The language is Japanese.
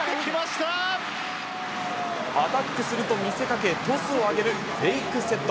アタックすると見せかけ、トスを上げるフェイクセット。